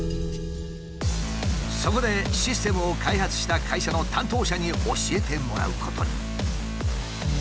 そこでシステムを開発した会社の担当者に教えてもらうことに。